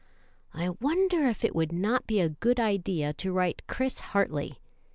"I wonder if it would not be a good idea to write Chris Hartley?